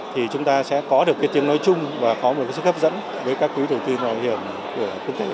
thì chúng ta sẽ có được tiếng nói chung và có một sức hấp dẫn với các quý đầu tư nội hiểm của quốc tế